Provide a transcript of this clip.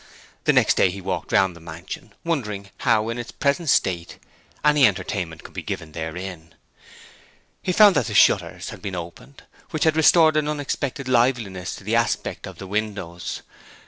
The next day he walked round the mansion, wondering how in its present state any entertainment could be given therein. He found that the shutters had been opened, which had restored an unexpected liveliness to the aspect of the windows.